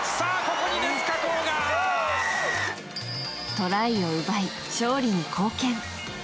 トライを奪い、勝利に貢献。